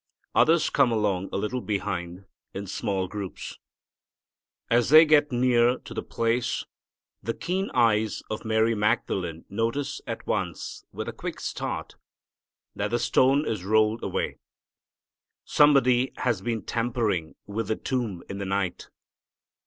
Others come along a little behind, in small groups. As they get near to the place the keen eyes of Mary Magdalene notice at once with a quick start that the stone is rolled away. Somebody has been tampering with the tomb in the night.